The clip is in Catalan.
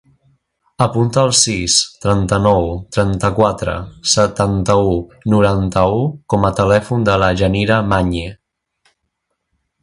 Apunta el sis, trenta-nou, trenta-quatre, setanta-u, noranta-u com a telèfon de la Yanira Mañe.